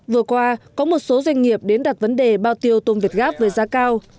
vừa qua có một số doanh nghiệp đến đặt vấn đề bao tiêu tôm việt gáp với giá cao